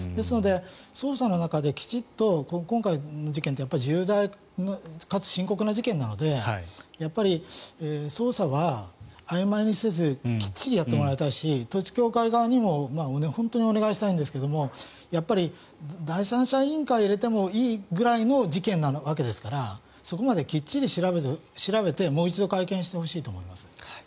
捜査の中できちんと今回の事件は重大かつ深刻な事件なので捜査はあいまいにせずきっちりやってもらいたいし統一教会側にも本当にお願いしたいんですがやっぱり第三者委員会を入れてもいいぐらいの事件なわけですからそこまできっちり調べてもう一度会見してほしいと思います。